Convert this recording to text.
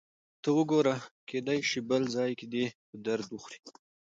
ته وګوره، کېدای شي بل ځای کې دې په درد وخوري.